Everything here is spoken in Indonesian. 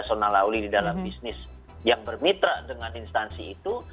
sona lauli di dalam bisnis yang bermitra dengan instansi itu